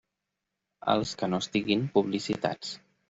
Els que no estiguin publicitats.